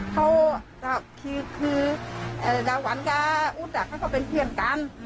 เขาคือดาหวันกับอุ๊ดเขาก็เป็นเพื่อนกัน